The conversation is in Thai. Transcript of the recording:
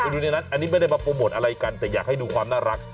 ดูในนั้นอันนี้ไม่ได้มาโปรโมทอะไรกันแต่อยากให้ดูความน่ารัก